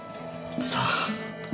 さあ。